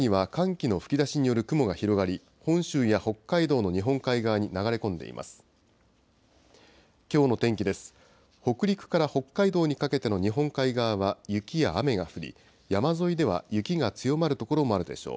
北陸から北海道にかけての日本海側は雪や雨が降り、山沿いでは雪が強まる所もあるでしょう。